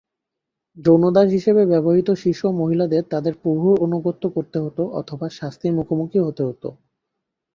যৌন দাস হিসেবে ব্যবহৃত শিশু ও মহিলাদের তাদের প্রভুর আনুগত্য করতে হত অথবা শাস্তির মুখোমুখি হতে হত।